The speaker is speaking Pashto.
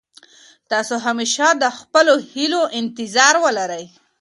تاسو همېشه د خپلو هيلو انتظار ولرئ.